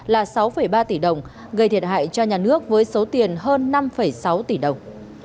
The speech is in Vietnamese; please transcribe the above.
là sáu ba tỷ đồng gây thiệt hại cho nhà nước với số tiền hơn năm sáu tỷ đồng